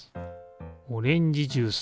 オレンジジュース。